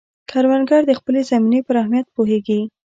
کروندګر د خپلې زمینې پر اهمیت پوهیږي